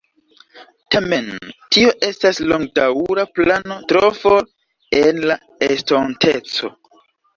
Tamen, tio estas longdaŭra plano tro for en la estonteco.